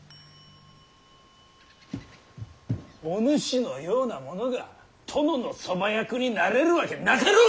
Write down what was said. お主のような者が殿の側役になれるわけなかろうが！